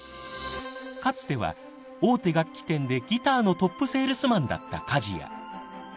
かつては大手楽器店でギターのトップセールスマンだった梶屋。